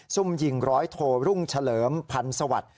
ซุ่มยิงร้อยโทรุ่งเฉลิมพันธ์สวัสดิ์